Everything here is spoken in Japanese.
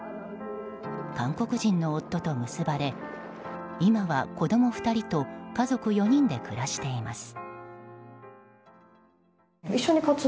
韓国人の夫と結ばれ今は、子供２人と家族４人で暮らしています。